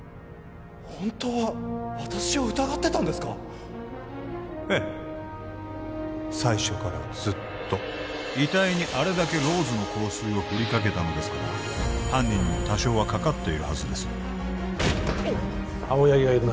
本当は私を疑ってたんですかええ最初からずっと遺体にあれだけローズの香水をふりかけたのですから犯人にも多少はかかっているはずです青柳がいるな